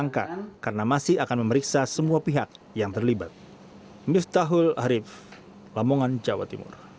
sangka karena masih akan memeriksa semua pihak yang terlibat